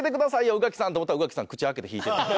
宇垣さんと思ったら宇垣さん口開けて引いてた。